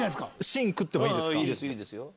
芯食ってもいいですか？